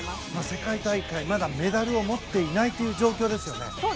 世界大会まだメダルを持っていないという状況ですよね。